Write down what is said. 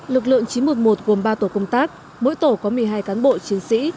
lực lượng chín trăm một mươi một gồm ba tổ công tác mỗi tổ có một mươi hai cán bộ chiến sĩ